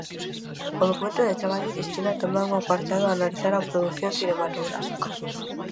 O documento de traballo destina tamén un apartado a analizar a produción cinematográfica.